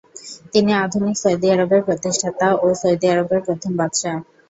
তিনি আধুনিক সৌদি আরবের প্রতিষ্ঠাতা ও সৌদি আরবের প্রথম বাদশাহ।